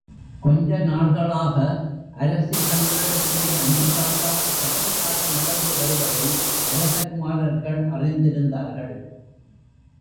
கொஞ்ச நாள்களாக அரசி தங்களிடத்திலே அன்பு காட்டாமல் கடுமையாக நடந்து வருவதை அரசகுமாரர்கள் அறிந்திருந்தார்கள்.